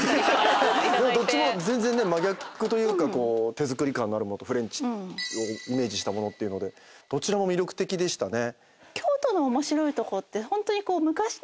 どっちも全然真逆というか手作り感のあるものとフレンチをイメージしたものっていうのでどちらも魅力的でしたね。